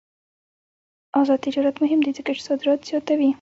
آزاد تجارت مهم دی ځکه چې صادرات زیاتوي.